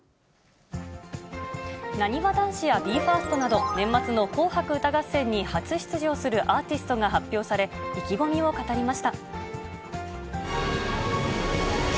なにわ男子やＢＥ：ＦＩＲＳＴなど、年末の紅白歌合戦に初出場するアーティストが発表され、意気込みを語りました。